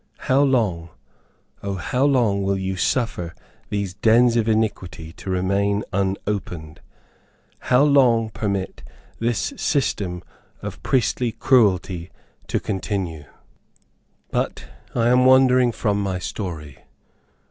How long O how long will you suffer these dens of iniquity to remain unopened? How long permit this system of priestly cruelty to continue? But I am wandering from my story.